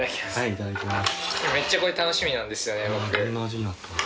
いただきます。